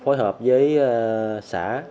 phối hợp với xã